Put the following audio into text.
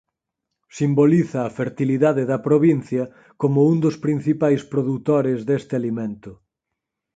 Simboliza a fertilidade da provincia como un dos principais produtores deste alimento.